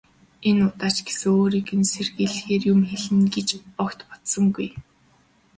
Энэ удаа ч гэсэн өөрийг нь сэрхийлгэхээр юм хэлнэ гэж огт бодсонгүй.